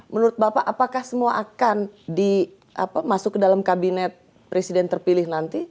menurut bapak apakah semua akan masuk ke dalam kabinet presiden terpilih nanti